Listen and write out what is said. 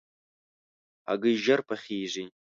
هګۍ ژر پخېږي.